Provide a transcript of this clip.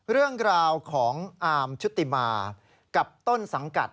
เรื่องราวของอาร์มชุติมากับต้นสังกัด